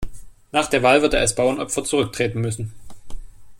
Nach der Wahl wird er als Bauernopfer zurücktreten müssen.